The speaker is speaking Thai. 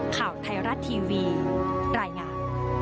ข่าวไทยรัฐทีวีรายงาน